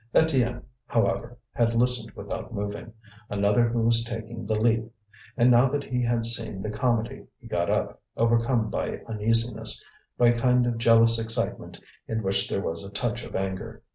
Étienne, however, had listened without moving. Another who was taking the leap! And now that he had seen the comedy he got up, overcome by uneasiness, by a kind of jealous excitement in which there was a touch of anger.